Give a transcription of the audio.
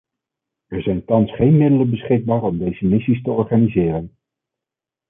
Er zijn thans geen middelen beschikbaar om deze missies te organiseren.